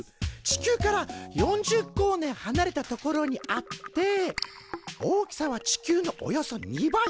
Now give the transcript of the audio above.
地球から４０光年はなれた所にあって大きさは地球のおよそ２倍。